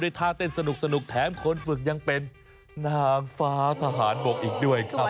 ท่าเต้นสนุกแถมคนฝึกยังเป็นนางฟ้าทหารบกอีกด้วยครับ